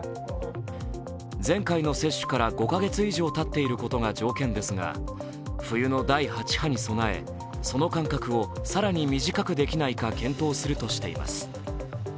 前回の接種から５か月以上たっていることが条件ですが冬の第８波に備え、その間隔を更に短くできないか検討するとしています。